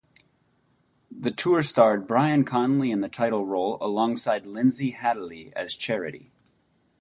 The tour starred Brian Conley in the title role, alongside Linzi Hateley as Charity.